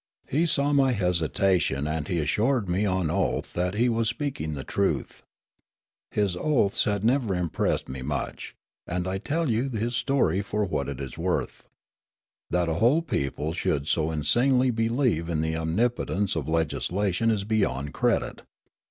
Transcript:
He saw my hesitation and he assured me on oath that he was speaking the truth. His oaths had never impressed me much, and I tell you his story for what it is worth. That a whole people should so insanely believe in the omnipotence of legislation is beyond credit.